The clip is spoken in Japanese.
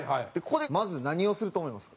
ここでまず何をすると思います？